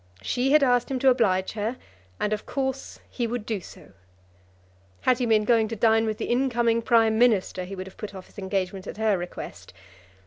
She had asked him to oblige her, and of course he would do so. Had he been going to dine with the incoming Prime Minister, he would have put off his engagement at her request.